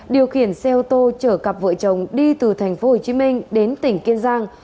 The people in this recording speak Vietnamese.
điều khiển xe ô tô chở cặp vợ chồng đi từ thành phố hồ chí minh đến tỉnh kiên giang